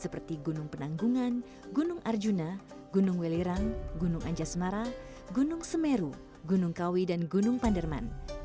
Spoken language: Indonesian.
seperti gunung penanggungan gunung arjuna gunung welirang gunung anjasmara gunung semeru gunung kawi dan gunung panderman